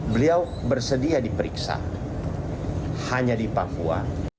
beliau bersedia diperiksa hanya di papua